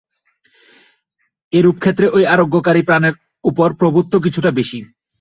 এরূপ ক্ষেত্রে ঐ আরোগ্যকারীর প্রাণের উপর প্রভুত্ব কিছুটা বেশী।